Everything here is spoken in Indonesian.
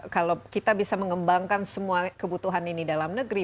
kalau kita bisa mengembangkan semua kebutuhan ini dalam negeri